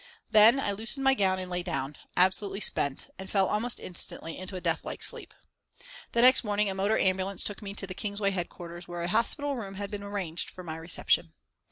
Then I loosened my gown and lay down, absolutely spent, and fell almost instantly into a death like sleep. The next morning a motor ambulance took me to the Kingsway headquarters where a hospital room had been arranged for my reception.